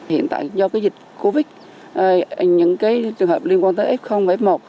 hiện tại do cái dịch covid những cái trường hợp liên quan tới f và f một